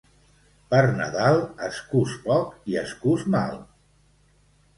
Per Nadal, es cus poc i es cus mal.